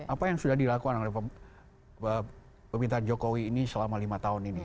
apa yang sudah dilakukan oleh pemerintahan jokowi ini selama lima tahun ini